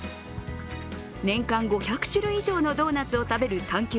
年間５００種類以上のドーナツを食べる探求